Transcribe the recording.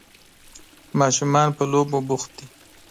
ماشومان په لوبو بوخت دي.